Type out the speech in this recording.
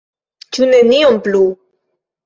Ĉu nenion plu?